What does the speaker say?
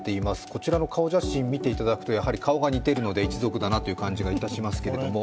こちらの顔写真、見ていただくと、顔が似ているので一族だなという感じがいたしますけれども。